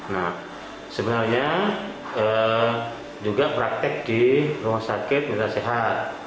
nah sebenarnya juga praktek di rumah sakit mitra sehat